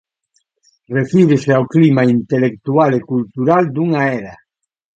Refírese ao "clima" intelectual e cultural dunha era.